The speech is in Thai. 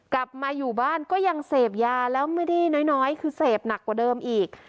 กลับมาอยู่บ้านก็ยังเสพยาแล้วไม่ได้น้อยคือเสพหนักกว่าเดิมอีก